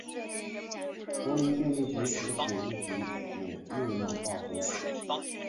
国营电力局和水务局也酝酿罢工。